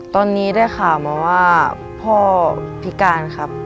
ตอนนี้ได้ข่าวมาว่าพ่อพิการครับ